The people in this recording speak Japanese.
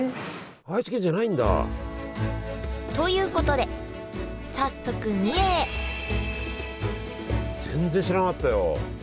愛知県じゃないんだ！ということで早速全然知らなかったよ。